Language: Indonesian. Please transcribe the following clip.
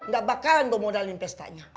gak bakalan gue modalin pestanya